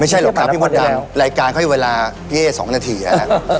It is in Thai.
ไม่ใช่หรอกครับพี่มดดำรายการเขาให้เวลาเย่สองนาทีอ่ะ